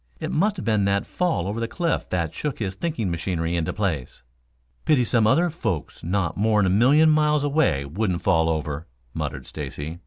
It must have been that fall over the cliff that shook his thinking machinery into place." "Pity some other folks not more'n a million miles away wouldn't fall over," muttered Stacy.